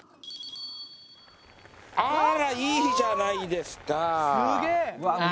あらいいじゃないですか！